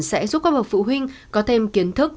sẽ giúp các bậc phụ huynh có thêm kiến thức